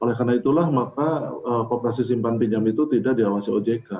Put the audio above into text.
oleh karena itulah maka kooperasi simpan pinjam itu tidak diawasi ojk